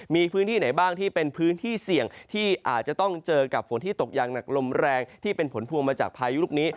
มีพื้นที่ไหนบ้างที่เป็นพื้นที่เสี่ยงที่อาจจะต้องเจอกับฝนที่ตกอย่างหนักลมแรงที่เป็นผลพวงมาจากพายุลูกนี้